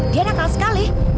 dia nakal sekali